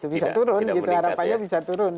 bisa turun gitu harapannya bisa turun